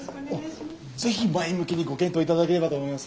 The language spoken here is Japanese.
ぜひ前向きにご検討頂ければと思います。